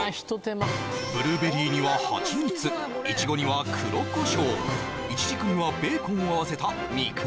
ブルーベリーにはハチミツイチゴには黒コショウイチジクにはベーコンを合わせた三國